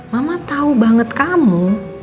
mama tau banget kamu